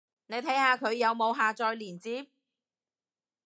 你睇下佢有冇下載連接